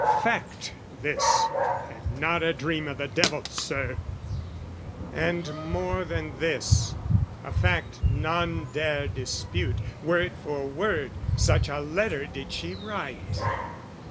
Fact this, and not a dream o' the devil, Sir! And more than this, a fact none dare dispute, Word for word, such a letter did she write.